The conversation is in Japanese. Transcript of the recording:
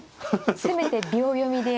せめて秒読みで。